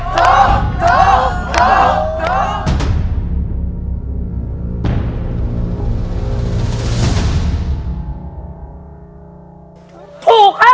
ถูกครับ